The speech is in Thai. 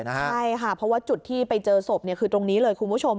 ใช่ค่ะเพราะว่าจุดที่ไปเจอศพคือตรงนี้เลยคุณผู้ชม